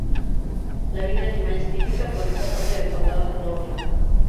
La vida animal es típica por esta parte del condado de Nordland.